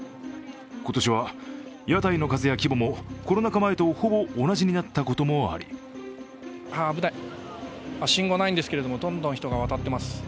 今年は屋台の数や規模もコロナ禍前とほぼ同じになったこともあり危ない、信号がないんですけどどんどん人が渡っていきます。